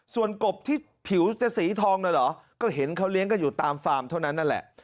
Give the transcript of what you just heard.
ส่วนกบที่ผิวจะสีทองเลยเหรอก็เห็นเขาเลี้ยงกันอยู่ตามฟาร์มเท่านั้นนั่นแหละ